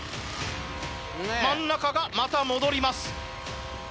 真ん中がまた戻ります。